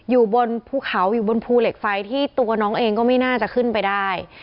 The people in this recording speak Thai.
อยู่บนภูเขาอยู่บนภูเหล็กไฟที่ตัวน้องเองก็ไม่น่าจะขึ้นไปได้